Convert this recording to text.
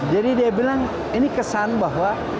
jadi dia bilang ini kesan bahwa